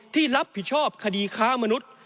ที่รับผิดชอบคดีค้ามนุษย์